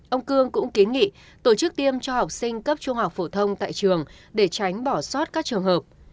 ông cương cũng kiến nghị tổ chức tiêm cho học sinh cấp trung học phổ thông tại trường để tránh bỏ sót các trường hợp